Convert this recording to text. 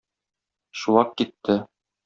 Чулак китте.